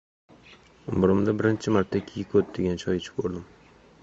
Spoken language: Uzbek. Umrimda birinchi marta kiyik oʻt degan choy ichib koʻrdim.